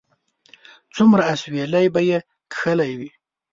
څومره اسويلي به یې کښلي وي